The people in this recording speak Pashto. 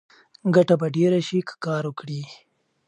ګټه به ډېره شي که کار وکړې.